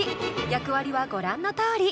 役割はご覧のとおり。